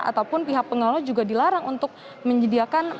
ataupun pihak pengelola juga dilarang untuk menyediakan